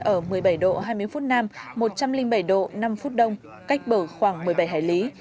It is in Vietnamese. ở một mươi bảy độ hai mươi phút nam một trăm linh bảy độ năm phút đông cách bờ khoảng một mươi bảy hải lý